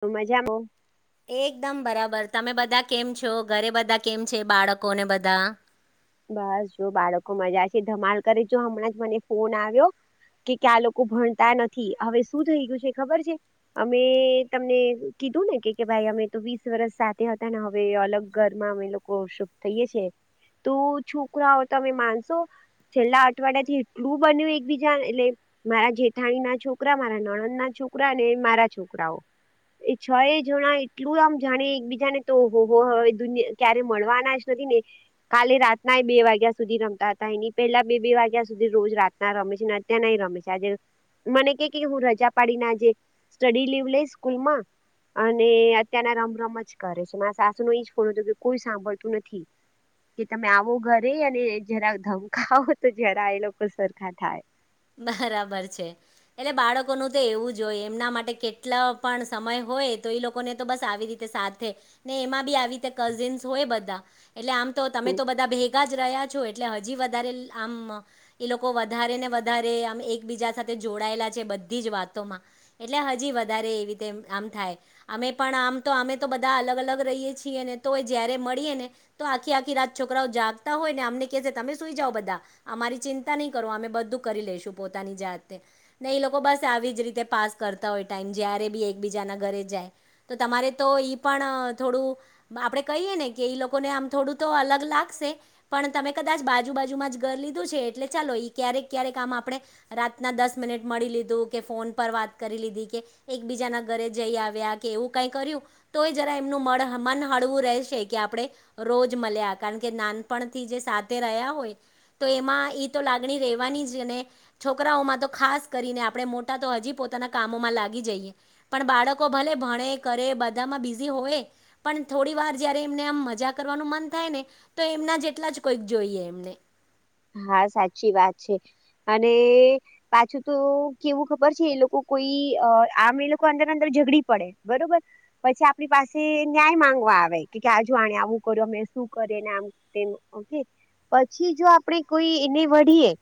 તો મજામાં એકદમ બરાબર, તમે બધા કેમ છો? ઘરે બધા કેમ છે? બાળકોને બધા બસ જો બાળકો મજા છે ધમાલ કરી જો હમણાં જ મને ફોન આવ્યો કે ક્યા લોકો ભણતા નથી હવે શું થઈ ગયું છે ખબર છે અમે તમને કીધું ને કે ભાઈ અમે તો વીસ વર્ષ સાથે હતા ને હવે અલગ ઘરમાં અમે લોકો શુભ થઈએ છીએ. તું છોકરાઓ તો તમે માનશો છેલ્લા અઠવાડિયા થી એટલું બન્યું એકબીજા એટલે મારા જેઠાણી ના છોકરા, મારા નણંદ ના છોકરા અને મારા છોકરાઓ એ છ એ જણા એટલું આમ જાણે એક બીજા ને તો હો હો હવે દુનિયા ક્યારે મળવાના જ એને કાલે રાતના બે વાગ્યા સુધી રમતા હતા એ ન પેહલા બે બે વાગ્યા સુધી રોજ રાતના રમે છે ને અત્યાર ના રમે આજે મને કે કે હું રજા પાડી નાજ સ્ટડી લીવ લઈ સ્કૂલ માં અને અત્યારના રમ રમ જ કરે છે મારા સાસુ નો એજ ફોન હતો કે કોઈ સાંભળતું નથી. [inaudible] કે તમે આવો ઘરે અને જરા ધમકાવો તો જરા એ લોકો સરખા થાય. બરાબર છે, એટલે બાળકોનું તો એવું જ હોય એમના માટે કેટલા પણ સમય હોય હોય તો એ લોકોને તો બસ આવી રીતે સાથે ને એમાં બી આવી રીતે કઝિન્સ હોય બધા એટલે આમ તો તમે તો બધા ભેગા જ રહ્યા છો. એટલે હજી વધારે આમ એ લોકો વધારે ને વધારે એકબીજા સાથે જોડાયેલા છે. બધી જ વાતોમાં એટલે હજી વધારે એવી રીતે થાય અમે પણ આમ તો અમે તો બધા અલગ અલગ રહીએ છીએને તો જયારે મળીએને તો આ આખી રાત છોકરાઓ જાગતા હોય ને અમને કે તમે સુઈ જઓ બધા અમારી ચિંતા નહીં કરો અમે બધું કરી લઈશું પોતાની જાતે લોકો બસ આવી જ રીતે પાસ કરતા હોય ટાઈમ જય્યારે બી એકબીજા ઘરે જાય તો તમારે તો ઈ પણ થોડું આપણેે કહીએ ને કે લોકોને આમ થો થોડું તો અલગ લાગશે પણ તમે કદાચ બાજુ બાાજુમાં જ ઘર લીધું છે એટલે ચાલો ક્યારેક ક્યારેક આામ આપણે રાતના દસ મિનિટ મળી લીધું કે ફોન પર વાત કરી લીધી કે એકબીજાના ધર જઈ આવ્યા કે એવું કઈ કર્યું તો જરા એમનું મન હળવું રહેશે કે આપણે રોજ મળ્યા કારણ કે નાનપણથી જે સાથે રહ્યા હોય તો એમાં તો લાગણી રે છોકરાઓમાં તો ખાસ કરીને આપણે મોટા તો હજી પોતાના કામોમાં લાગી જઈએ પણ બાળકો ભલે ભણે કરે બધામાં બિઝી હોય પણ થોડી વાર જયારે એમને આમ મજા કરવાનું મન થાય ને તો એમના જેટલા જ કોઈક જોઈએ એમને હા સાચી વાત છે અને પાછું તો કેવું ખબર છે એ લોકો કોઈ આમ એ લોકો અંદર અંદર ઝઘડી પડે બરોબર પછી આપણી પાસે ન્યાય માં આવે આજ આ આવું કર્યું અમે શું કરને આમ ઓકે પછી જો આપણે કોઈ એ વળીએ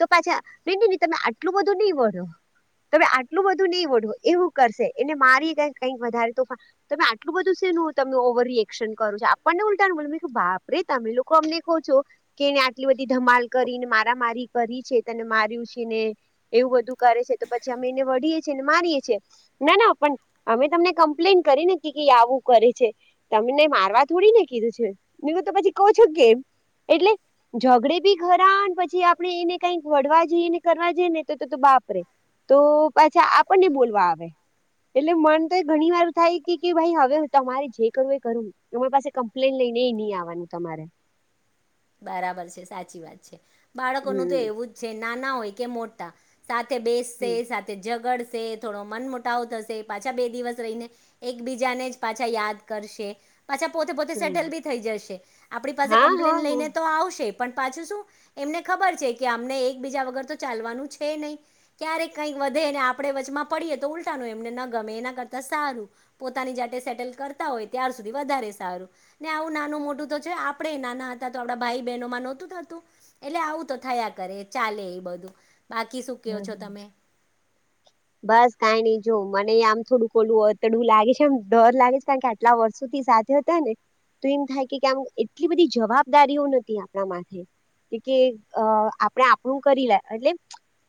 તો પાછા ન ન તમે આટલું બધું નહી વળ્યો તમે આટલું બધું નહી વઢો એવું કરશે એને મારી ક કઈક વધારે તોફાન તમે આટલું બધું ત ઓવર રિએક્શન કરું છો આપણને ઉલતા બો બાપરેે તમે લોકો અમને કહો છો કેને એટલી બધી ધમાલ કરીને મારા મારી કરી છે તને માર્યું છે ને એવું બધું કરે છે તો પછી અમેને વીએ છીએને મારીએ છીએ ના ના પણ અમે તમને કમ્પ્લેન કરીને કે આવું કરે. છે તમને મારવા થોડી ને કીધું છે હ તો પછી કહ છો કેમ એટલે ઝઘડે બી ખરા પછી આપડે એને કઈક વળવા જઈએને કરવા જઈ ને તો તો બાપરે તો પાછા આપણને બોલવા આવે. એટલે મન તો એ ઘણી વાર થાય કે ભાઈ હવે તમારે જે કરવું એ કરું તમારી પાસે કમ્પ્લેન લઈ નઈ નઈ આવવાનું તમારે બરાબર છે સાચી વાત છે બાળકોનું તો હમ એવું જ છે નાના હોય કે મોટા સાથે બેસશે હમ સાથે ઝગડ સે થોડો મન મોટાાવો થશે પાછા બે દિવસ રહીને એકબીજાને જ પાછા યાદ કરશે. પાછા પોતે પોતે હમ સેટલ બી થઈ જશે આપણી પાસે હા હા કમ્પ્લેન હા લઈને તો આવશે પણ પાછ શું એમને ખબર છે કે અમને એક બીજા વગર તો ચાલવાનું છે નહી. કઈક વધે ને આપણે વચમાં પડીએ તો ઉલટાનું એમને ન ગમે એના કરતા સારું પોતાની જાતે સેટ ટલ કરતા હોય તાર સુધી વધારે સારું ને આવું નાનું મોટું તો છે આપણે નાના હતા આપડા ભાઈ બહેનો માં નહોતું થતું એટલે આવું તો થયા કરે ચાલે એ બધું બાકી શું કહો હમ છો હમ તમે બસ કઈ નઈ જો મને આમ થોડું ખોલું હોડું લાગે છે એમ ડર લાગે છે કારણ કે આટલા વર્ષોથી સાથે હતા ને તો એમ થાય કે આમ એટલી બધી જવાબદારીઓ નથી આપણા માટે કે કે આપણે આપણું કરી લે એટલે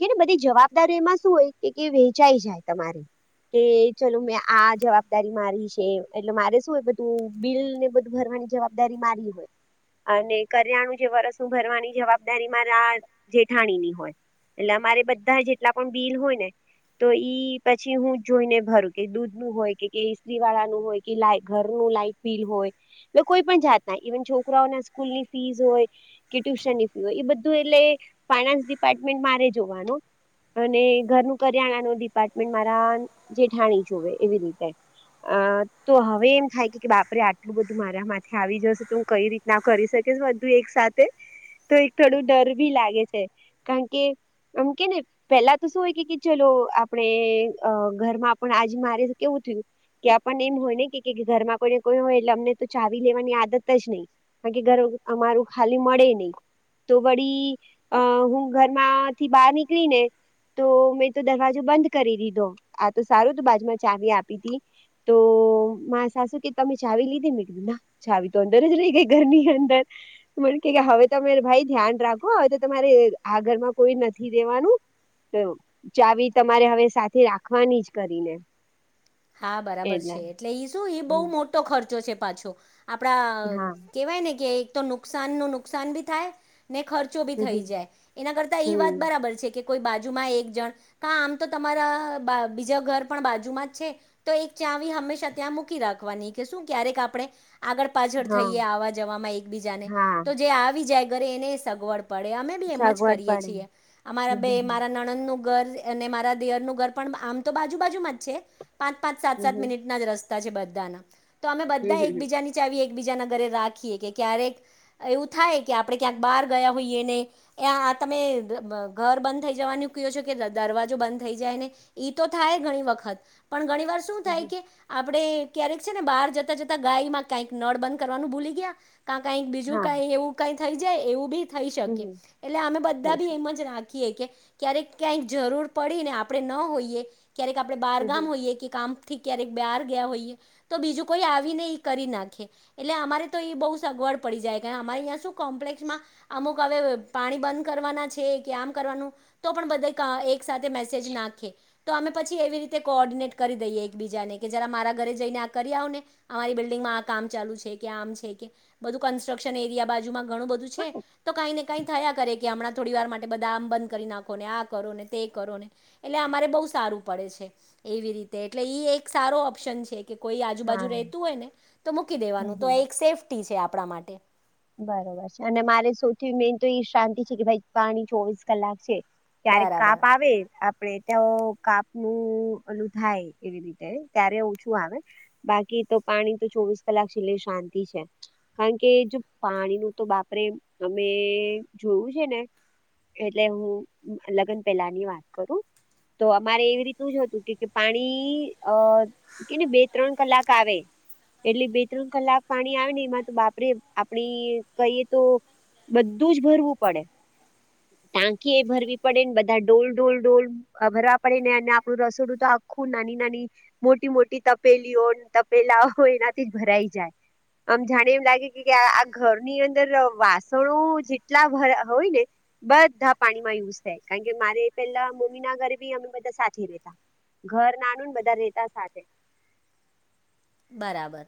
કેને બધી જવાબદારી એમાં શું હોય કે કે વેંચાઈ જાય તમારે. કે ચલો મેં આ જવાબદારી મારી છે એટલે મારે શુંય બધું બિલ ને બધું ભરવા જવાબદારી મારી હોય અને કર્યાણું જે વરસું ભરવાની જવાબદારી મામાં રા જેઠાણીની હોય. એટલે અમારે બધા જેટલા પણ બિલ હોયને તો ઈ પછી હું જોઈને ભરું કે દૂધ નું હોય કે ઇસ્ત્રી વાળા નું હોય કે લાયક ઘરનો લાઈટ બિલ હોય કોઈપણ છાટ નહીં છોકરાઓના સ્કૂલની ફીસ હોય ટ્યુશન ની ફી હોય એ બધું એટલે ફાયનાન્સ ડિપાર્ટમેન્ટ મારે જોવાનું અને ઘરનું કરિયાણા ન ડિપાર્ટમેન્ટ મારા જેઠાણી જોવે એવી રીતે અ તો હવે એમ થાય કે કે બાપરે આટલું બધું મારા માથે આવી જશે તો હું કઈ રીતના કરીશ. બધું એક સાથે તો એક થોડું ડર ભી લાગે છે કારણ કે આમ કે ને પેલા તો શું હોય કે ચલો આપણે ઘરમાં પણ આજ મારે કેવું થયું. કે પણ એમ હોય ને કે ઘરમાં કોઈને કોઈ હોય એટલે અમને તો ચાવી લેવાની આદત જ નહી કારણ કે ઘર અમારું ખાલી મળે નહી તો વળી હું ઘરમાંથી બહાર નીકળી ને તો મે તો દરવાજો બંધ કરી દીધો આ તો સારું તો બાજમાં ચાવી આપી હતી તો સાસુ કે તમે ચાવી લીધેનીકળું ના ચાવી તો અંદર જ રહી ગઈ ઘરની અંદર મ કે હવે તો તમે ભાઈ ધ્યાન રાખો હવે તો તમારે આ ઘરમાં કોઈ નથી દેવાનું ચાવી તમારે હવે સાથે રાખવાની જ કરીને. હા બરાબર છે એટલે ઈ શું બહુ મોટો ખર્ચો છે પાછો. આપડા હા કેવાય ને કે એક તો નુકસાન નું નુકસાન ભી થાય ને ખર્ચો બી થઈ હમ જાય એના કરતા ઈ વાત હમ બરાબર છે કે કોઈ બાજુમાં એક જણ કા આમ તો તમારા બીજા ઘર પણ બાજુમાં જ છે. તો એક ચાવી હંમેશા ત્યાં મૂકી રાખવાની કે શું ક્યારેક આપણે આગળ પાછળ હા થઈએ આવા જવામાં એકબીજાને હા તો જે આવી જાય ઘરે એને સગવડ પડે અમે બી એમ જ સગવડ કરીએ છીએ અમારા બે પડે હમ મારા નણનનું ઘર અને મારા દેયરનું ઘર પણ આમ તો બાજુ બાજુમાં જ છે પાંચ પાંચ સાત હમ હમ સાત મિનિટ ના જ રસ્તા બધા તો અમે હમ બધા હમ હમ એકબીજા ની ચાવી બીજા ના ઘરે રાખીએ કે ક્યારેક એવું થાય કે આપડણે ક્યાંક બહાર ગયા હોઈએ ને ત્યાં તમે ઘર બંધ થઈ જવાનું કયો છે કે દરવાજો બંધ થઈ જાય ને ઈ તો થાય ઘણી વાર વખ પણ ઘણી વાર શું થાય હમ હમ કે આપણે ક્યારેક છે ને બહાર જતા જતા ગાય માં કઈક નળ બંધ કરવાનું ભૂલી ગયા ક કઈક બીજું હા કઈ એવું કઈ થઈ જાય એવું બી થઈ હમ શકે એટલે અમે બધા બી એમ જ રાખી એ ક્યારેક ક જરૂર પડીને આપણે ન હોઈએ ક્યારેક આપ બાર હમ કામ હોઈએ કે કામ થી ક્યારેક બાર ગયા હોઈએ તો બીજું કોઈ આવીને એ કરી નાખે એટલે અમારે તો એ બહ સગ પન મળી જાય અમારેં શું કોમ્પ્લેસમાં અમુક હવે પાણી બંધ કરવાના છે કે આમ કરવાનું બધ એક સાથે મેજ નાખે તો અમે પછી એવી રી કોર્ડિનેટ કરી દઈએ એકબીજાને કે જરા મારા ઘરે જઈને આ કરી આવ ને અમારી બિલ્ડિંગમાં આ કામ ચાલુ છે. મ છે બ કોન્ટ્રક્શન એરિયા બાજુમાં ઘણું બધું છે તો કને કાંઈ થયા કરે કે હમણાં થોડી વાર માટે બધા આમ બંધ કરી નાખો ને આ કરો ને તે કરો ને એટલે અમારે બહુ સારું પડે છે, એવી રીતે એટલે એક સારો ઓપ્શન છે. કે કોઈ આજુબાજુ હા રહેતું હોય ને તો મૂકી હમ દેવાનું તો હમ એક સેફ્ટી છે, આપણા માટે. બરોબર છે, અને મારે સૌથી મેન તો એ શાંતિ છે, કે ભાઈ પાણી ચોવીસ કલાક છે. ક્યારેક બરાબર કાપ આવે આપડે ત્યા કાપ નું ઓલુ થાય એવી રીતે ત્યારે ઓછું આવે. બાકી તો પાણી તો ચોવીસ કલાક છેલ્લે શાંતિ છે, કારણ કેજો પાણી નું તો બાપરે અમે જોયું છે, ને એટલે હું લગ્ન પેલાની વાત કરું. તો અમારે એવી રીતું જતું કે પાણી અ કેને બે ત્રણ કલાક આવે. એટલે બે- ત્રણ કલાક પાણી આવે ને એમાં તો બાપરે આપડી કહીએ તો બધું જ ભરવું પડે. ટાંકી એ ભરવી પડે ને બધા ડોલ ડોલ ડોલ ભરવા પડે ને અને આપડું રસોડું તો આખું નાની નાની મોટી મોટી તપેલીઓ, તપેલા એનાથી જ ભરાઈ જાય. આમ જાણે એમ લાગે આ ઘરની અંદર વાસણો જેટલા હોય ને બધા પાણીમાં યુઝ થાય, કારણ મારે પેલા મમ્મીના ઘરે ભી અમે બધા સાથે રેતા. ઘર નાનું ને બધા રેતા સાથે. બરાબર.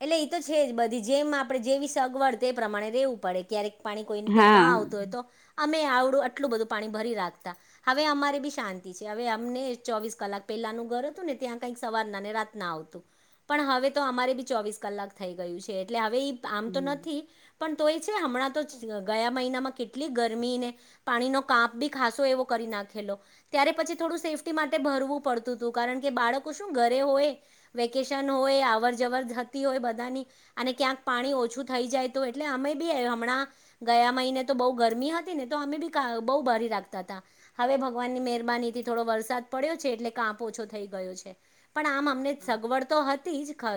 એટલે એ તો છે, જ બધી જેમ આપણે જેવી સગવડ તે પ્રમાણે રહેવું પડે ક્યારેક પાણી કોઈને ત્યાં હા ના આવતું હમ હોય તો અમે આવડું આટલું બધું પાણી ભરી રાખતા હવે અમારી બી શાંતિ છે, હવે અમને ચોવીસ કલાક પે પેલાનું ઘર હતું ને ત્યાં કંઈક સવારનાને રાતના આવતું. પણ હવે તો અમારે ભી ચોવીસ કલાક થઈ ગયું છે, એટલે હવે ઈ આમ તો નથી. પણ તો એ છે, હમણાં તો ગયા મહિનામાં કેટલી ગરમી ને પાણીનો કાપ બી ખાસો એવો કરતા નાખેલો ત્યારે પછી થોડું સેફ્ટી માટે ભરવું પડતું હતું, કારણ કે બાળકો શું ઘરે હોય વેકેેશન. હોય અવર જવર થતી હોય બધાની અને ક્યાંક પાણી ઓછું થઈ જાય, તો એટલે અમે બી હમણાં ગયા મહિને તો બહુ ગરમી હતી, ને તો અમે બી બહુ બારી રાખતા હતા હવે ભગવાન મહેરબાની થી થોડો વરસાદ પડ્યો છે, એટલે કાપ ઓછો થઈ ગયો છે, પણ આમ અમને સગવડ તો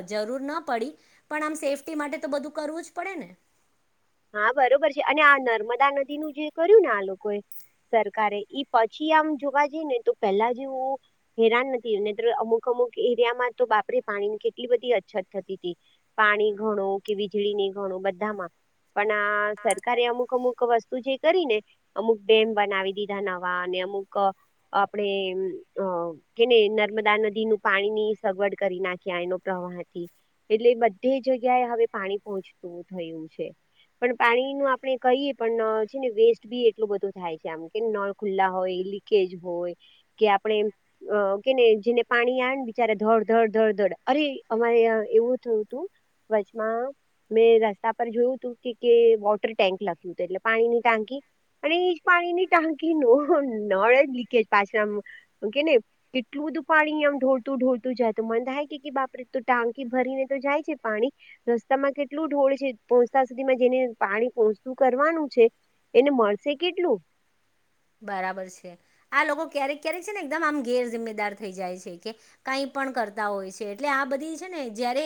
જ જરૂર ના પડી પણ આમ સેફ્ટી માટે તો બધું કરવું જ પડે ને. હા બરોબર છે, અને આ નર્મદા નદીનું જે કર્યું ને આ લોકો એ સરકારે ઈ પછી આમ જોવા જઈ ને તો પેલા જેવું હેરાન નથીને અમુક અમુક એરિયામાં તો બાપરે પાણી ની કેટલી બધી અછત થતી હતી પાણી ઘણો કે વીજળી ની ઘણું બધામાં પણ સરકારે અમુક અમુક વસ્તુ જે કરીને અમુક ડેમ બનાવી દીધા નવા અમુક આપણે કે ને નર્મદા નદી નું પાણી ની સગવડ કરી. ના ક્યાંય નો પ્રવાહથી એટલે બધી જગ્યાએ હવે પાણી પહોંચતું થયું છે. પણ પાણી નું આપણે કહીય એ પણ ન છે ને વેસ્ટ બી એટલું બધું થાય છે, આમ કે નળ ખુલ્લા હોય. લિંકેજ હોય. આપડે કેને જેને પાણી આવેને બિચારા ધડઘડ ધડ ધડધડ અરે અમારે એવું થયું તું વચમાં મેં રસ્તા પર જોયું તું. કે કે વોટર ટેન્ક લખ્યું હતું એટલે પાણીની ટાંકી અને એજ પાણીની ટાંકી ન નળ લીકેજ પાછળ કેને કેટલું બધું પાણી આમ ઢોળતું ઢોળતું જાયતું મન થાય બાપ ટાંકી ભરીને તો જાય છે, પાણી રસ્તા માં કેટલું ઢોળ છે. પોતાના જેને પાણી પોચતું કરવાનું છે, એને મળશે કેટલું? બરાબર છે, આ લોકો ક્યારેક ક્યારેક છે, ને એકદમ આમ ગેર જિમ્મેદાર થઈ જાય છે, કે કાંઈ કરતા હોય છે, એટલે આ બધી છે, ને જયારે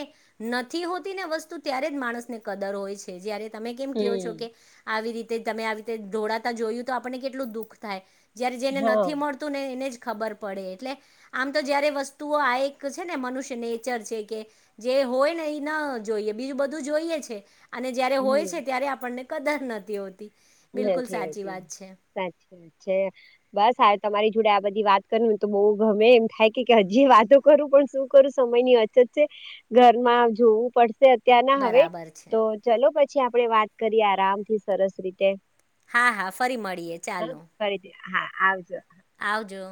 નથી હોતી ને વસ્તુ ત્યારે જ માણસ ને કદર હોય છે, જયારે તમે કેમ કો છો, હમ કે આવી રીતે તમે આવી રીતે ધોળતા જોયું તો આપણને કેટલું દુઃખ થાય. જયારે જેને હા નથી મળતું ને એને જ ખબર પડે એટલે આમ તો જયારે વસ્તુઓ આ એક છે ને મનુષ્ય નેચર છે કે જે હોય ને એ ન જોઈએ બીજું બધું જોઈએ છે. અને જયારે હોય હમ છે ત્યારે આપણને કદર નથી હોતી. બિલકુલ સાચી નથીતી વાત છે સાચ ચ બસ આવે તમારી જોડે આ બધી વાત કરવી તો બહુ ગમે એમ થાય કે હજી, વાતો પણ શું કરુ સમયની અછત છે, ઘરમાં જોવું પડશે ત્યાંના હવે, બરાબર તો છે ચલો પછી આપણેે વાત કરીએ આરામ થી સરસ રીતે હા હા ફરી મળીએ હ, ચાલો ફરીથી હા આવજો આવજો